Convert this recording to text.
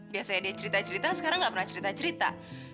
biasanya dia cerita cerita sekarang nggak pernah cerita cerita